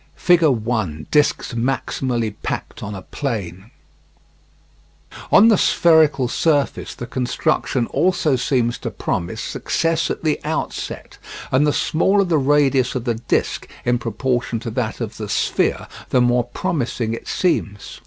[Figure 1: Discs maximally packed on a plane] On the spherical surface the construction also seems to promise success at the outset, and the smaller the radius of the disc in proportion to that of the sphere, the more promising it seems.